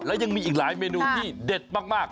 และมีอีกหลายเมนูด็ดมาก